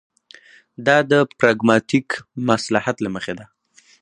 دا د پراګماټیک مصلحت له مخې ده.